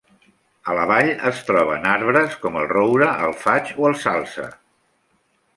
A la vall es troben arbres com el Roure, el Faig o el Salze.